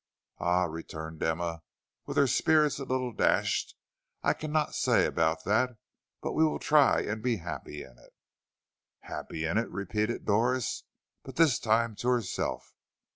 "Ah," returned Emma, with her spirits a little dashed, "I cannot say about that, but we will try and be happy in it." "Happy in it!" repeated Doris, but this time to herself.